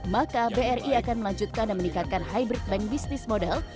maka bri akan melanjutkan dan meningkatkan hybrid bank business model